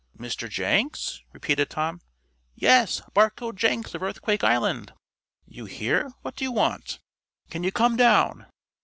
"Mr. Jenks?" repeated Tom. "Yes Barcoe Jenks, of Earthquake Island." "You here? What do you want?" "Can you come down?"